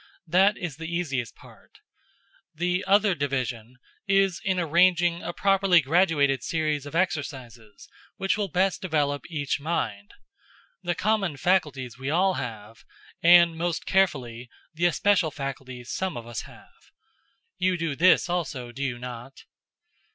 That is the easiest part. The other division is in arranging a properly graduated series of exercises which will best develop each mind; the common faculties we all have, and most carefully, the especial faculties some of us have. You do this also, do you not?"